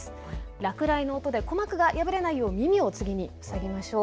落雷の音で鼓膜が破れないように耳を塞ぎましょう。